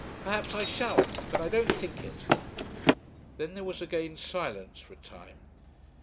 "Perhaps I shall, but I don't think it." Then there was again silence for a time.